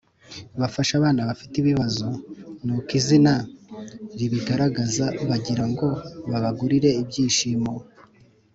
Bafasha abana bafite ibibazo nuko izina ribigaragaza bagira ngo babagarurire ibyishimo